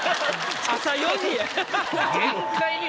朝４時や。